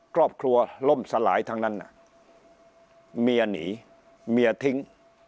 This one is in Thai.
ครอบครัวล่มสลายทั้งนั้นเมียหนีเมียทิ้ง